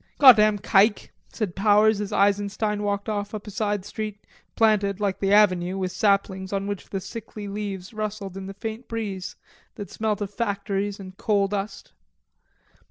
"Goddam kike!" said Powers as Eisenstein walked off up a side street, planted, like the avenue, with saplings on which the sickly leaves rustled in the faint breeze that smelt of factories and coal dust.